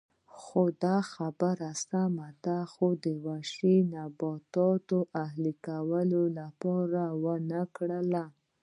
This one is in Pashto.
دا خبره سمه ده خو د وحشي نباتاتو اهلي کولو لپاره ونه کړل